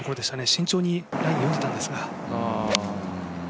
慎重にライン読んでたんですが。